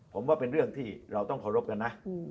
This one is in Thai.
ผมว่าเป็นเรื่องที่เราต้องเคารพกันนะ